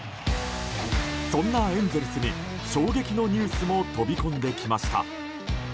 そんなエンゼルスに衝撃のニュースも飛び込んできました。